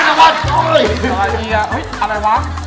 สระเอียอะไรวะ